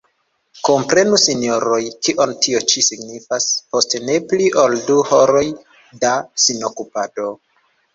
Komprenu, sinjoroj, kion tio ĉi signifas: « post ne pli ol du horoj da sinokupado ».